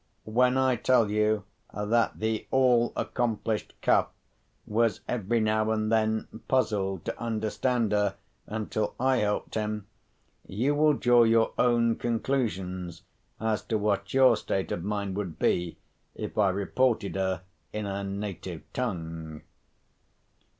When I tell you that the all accomplished Cuff was every now and then puzzled to understand her until I helped him, you will draw your own conclusions as to what your state of mind would be if I reported her in her native tongue.)